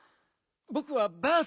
ぼくはバース。